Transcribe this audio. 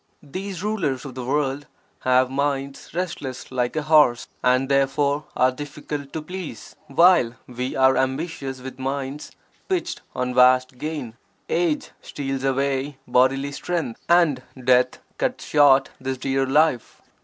These rulers of the world have minds restless like a horse and (therefore) are difficult to please, while we are ambitious with minds pitched on vast gain; age steals away bodily strength and death cuts short this dear life.